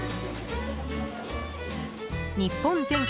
日本全国